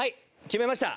決めました。